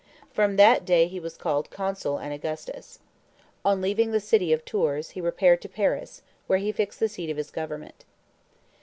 From that day he was called Consul and Augustus. On leaving the city of Tours he repaired to Paris, where he fixed the seat of his government."